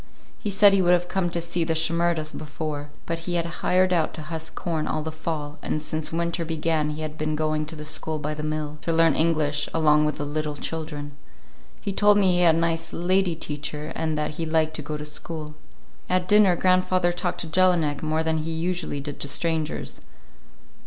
He said he would have come to see the Shimerdas before, but he had hired out to husk corn all the fall, and since winter began he had been going to the school by the mill, to learn English, along with the little children. He told me he had a nice "lady teacher" and that he liked to go to school. At dinner grandfather talked to Jelinek more than he usually did to strangers.